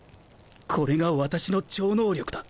これが私の超能力だ。